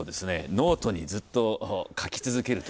ノートにずっと書き続けるとですね